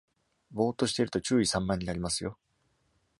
ぼーっとしていると注意散漫になりますよ。